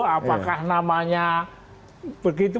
apakah namanya begitu